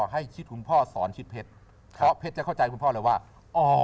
ให้ชิดคุณพ่อสอนชิดเพชรเพราะเพชรจะเข้าใจคุณพ่อเลยว่าอ๋อ